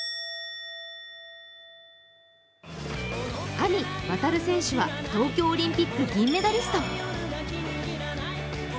兄・航選手は東京オリンピック銀メダリスト。